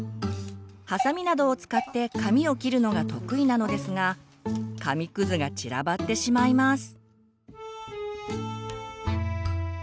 ハサミなどを使って紙を切るのが得意なのですが紙くずが散らばってしまいます。